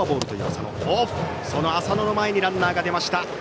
浅野の前にランナーが出ました。